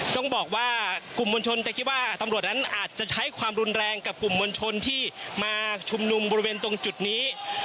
ต้องบอกว่ากลุ่มมวลชนจะคิดว่าตำรวจนั้นอาจจะใช้ความรุนแรงกับกลุ่มมวลชนที่มาชุมนุมบริเวณตรงจุดนี้